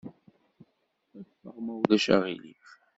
Ffeɣ, ma ulac aɣilif.